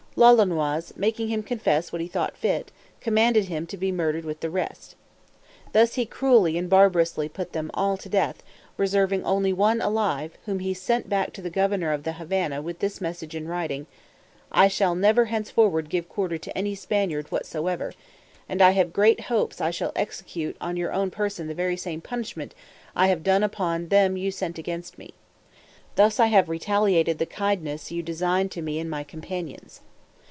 Lolonois, making him confess what he thought fit, commanded him to be murdered with the rest. Thus he cruelly and barbarously put them all to death, reserving only one alive, whom he sent back to the governor of the Havannah, with this message in writing: "I shall never henceforward give quarter to any Spaniard whatsoever; and I have great hopes I shall execute on your own person the very same punishment I have done upon them you sent against me. Thus I have retaliated the kindness you designed to me and my companions."